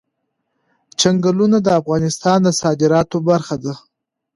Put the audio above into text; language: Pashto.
چنګلونه د افغانستان د صادراتو برخه ده.